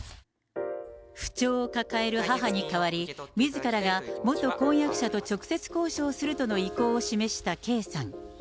不調を抱える母に代わり、みずからが元婚約者と直接交渉するとの意向を示した圭さん。